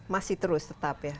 masih terus tetap ya